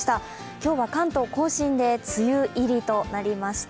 今日は関東甲信で梅雨入りとなりました。